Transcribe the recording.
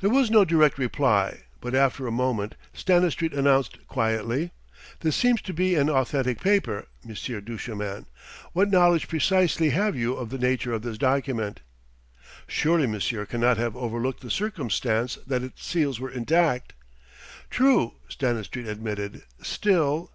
There was no direct reply, but after a moment Stanistreet announced quietly: "This seems to be an authentic paper.... Monsieur Duchemin, what knowledge precisely have you of the nature of this document?" "Surely monsieur cannot have overlooked the circumstance that its seals were intact." "True," Stanistreet admitted. "Still...."